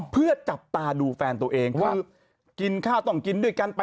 เพื่อจับตาดูแฟนตัวเองคือกินข้าวต้องกินด้วยกันไป